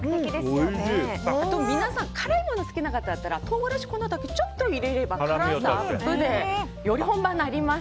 辛い物が好きな方だったら唐辛子の粉をちょっと入れれば辛さアップでより本場になります。